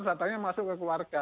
sepertinya masuk ke keluarga